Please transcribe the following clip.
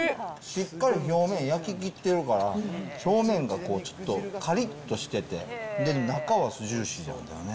しっかり表面焼ききってるから、表面がこう、ちょっとかりっとしてて、中はジューシーなんだね。